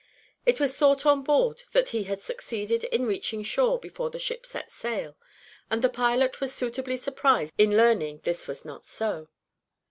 It was thought on board that he had succeeded in reaching shore before the ship set sail, and the pilot was suitably surprised at learning this was not so.